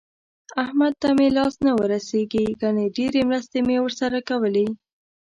احمد ته مې لاس نه ورسېږي ګني ډېرې مرستې مې ورسره کولې.